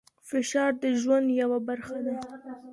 فشار د ژوند یوه برخه ده.